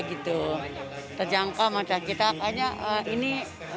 gitu terjangkau macam kita kayaknya ini halnya banyak kalau merenangnya senang banget ibu